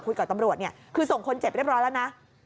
คุยกับตำรวจคือส่งคนเจ็บเรียบร้อยแล้วนะ